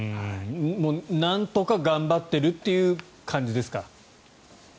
もうなんとか頑張ってるという感じですか？